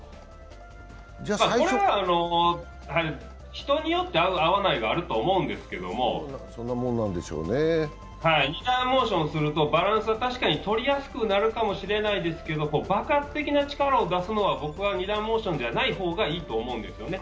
これは人によって合う、合わないがあると思うんですけど２段モーションをするとバランスは確かに取りやすくなるかもしれないんですけど、爆発的な力を出すのは、僕は２段モーションじゃない方がいいと思うんですね。